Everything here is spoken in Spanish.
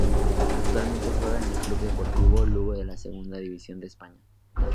Actualmente juega en el Club Deportivo Lugo de la Segunda División de España.